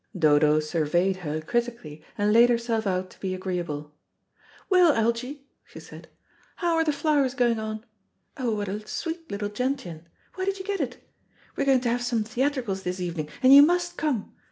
Dodo surveyed her critically, and laid herself out to be agreeable. "Well, Algy," she said, "how are the flowers going on? Oh, what a sweet little gentian. Where did you get it? We're going to have some theatricals this evening, and you must come.